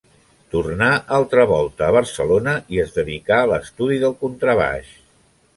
Tornà altra volta a Barcelona i es dedicà a l'estudi del contrabaix.